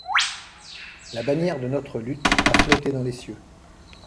La bannière de notre lutte a flotté dans les cieux.